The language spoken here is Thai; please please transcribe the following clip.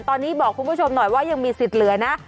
ตอนนี้บอกคุณผู้ชมหน่อยว่ายังมีสิทธิ์เหลือนะ